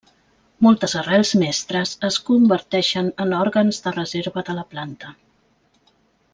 Moltes arrels mestres es converteixen en òrgans de reserva de la planta.